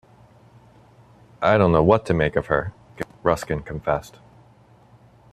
'I don't know what to make of her', Ruskin confessed.